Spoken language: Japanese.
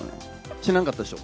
知らんかったでしょ？